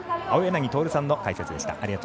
青柳徹さんの解説でした。